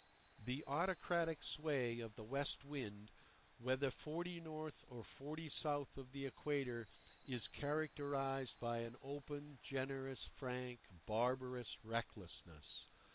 The autocratic sway of the West Wind, whether forty north or forty south of the Equator, is characterized by an open, generous, frank, barbarous recklessness.